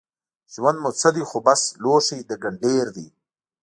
ژوند مو څه دی خو بس لوښی د ګنډېر دی